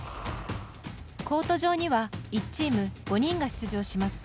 コート上には１チーム５人が出場します。